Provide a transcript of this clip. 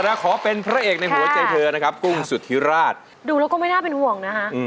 เมื่อเครื่องไม่น่าเป็นห่วง